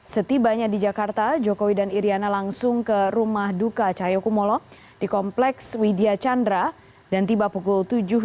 setibanya di jakarta jokowi dan iryana langsung ke rumah duka cahyokumolo di kompleks widya chandra dan tiba pukul tujuh dua puluh